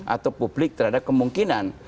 atau publik terhadap kemungkinan